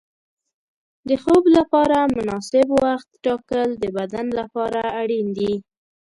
د خوب لپاره مناسب وخت ټاکل د بدن لپاره اړین دي.